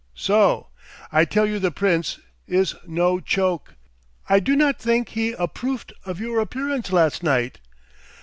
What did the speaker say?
So! I tell you the Prince is no choke. I do not think he approffed of your appearance last night.